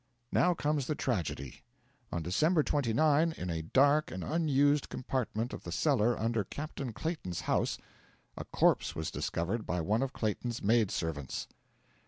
Now comes the tragedy. On December 29, in a dark and unused compartment of the cellar under Captain Clayton's house, a corpse was discovered by one of Clayton's maid servants.